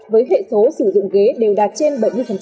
với hệ số sử dụng ghế đều đạt trên bảy mươi